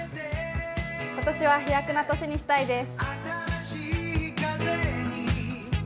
今年は飛躍の年にしたいです。